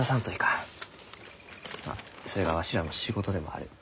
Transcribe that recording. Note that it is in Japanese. まあそれがわしらの仕事でもある。